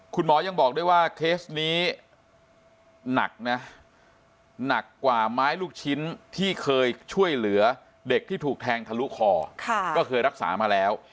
คุณหมอยังบอกด้วยว่าเคสนี้หนักนะหนักกว่าไม้ลูกชิ้นที่เคยช่วยเหลือเด็กที่ถูกแทงทะลุคอก็เคยรักษามาแล้ว